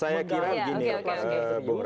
saya kira begini pak mbak meri